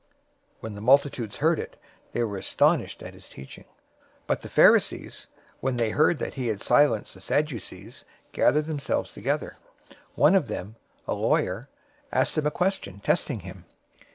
022:033 When the multitudes heard it, they were astonished at his teaching. 022:034 But the Pharisees, when they heard that he had silenced the Sadducees, gathered themselves together. 022:035 One of them, a lawyer, asked him a question, testing him.